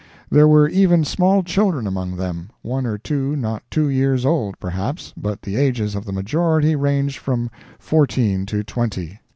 There were even small children among them—one or two not two years old, perhaps, but the ages of the majority ranged from fourteen to twenty.